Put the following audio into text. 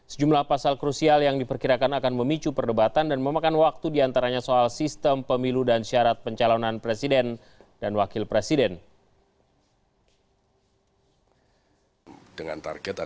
sejumlah pasal krusial yang diperkirakan akan memicu perdebatan dan memakan waktu diantaranya soal sistem pemilu dan syarat pencalonan presiden dan wakil presiden